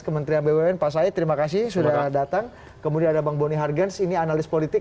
kementerian bumn pak said terima kasih sudah datang kemudian ada bang boni hargens ini analis politik